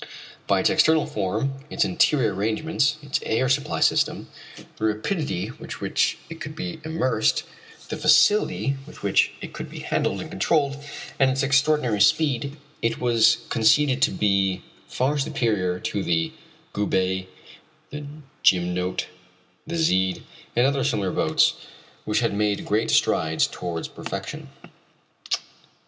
By its external form, its interior arrangements, its air supply system, the rapidity with which it could be immersed, the facility with which it could be handled and controlled, and its extraordinary speed, it was conceded to be far superior to the Goubet, the Gymnote, the Zede, and other similar boats which had made great strides towards perfection.